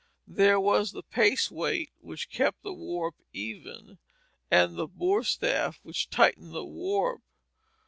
There was the pace weight, which kept the warp even; and the bore staff, which tightened the warp.